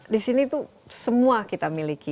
disini itu semua kita miliki